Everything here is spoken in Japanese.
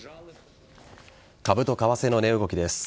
株と為替の値動きです。